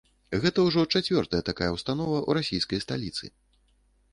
Гэта ўжо чацвёртая такая ўстанова ў расійскай сталіцы.